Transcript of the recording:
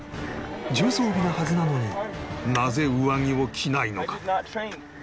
重装備なはずなのになぜ上着を着ないのか？